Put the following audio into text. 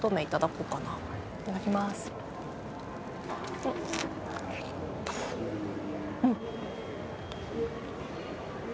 うん。